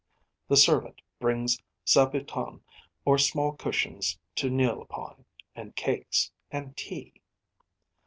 The servant brings zabuton or small cushions to kneel upon, and cakes, and tea.